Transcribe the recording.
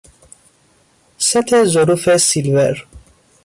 ست ظروف سیلور